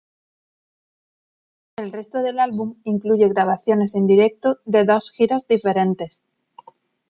El resto del álbum incluye grabaciones en directo de dos giras diferentes.